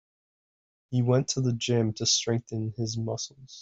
He went to gym to strengthen his muscles.